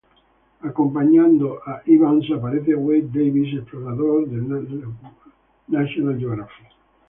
Acompañando a Evans aparece Wade Davis, explorador de National Geographic.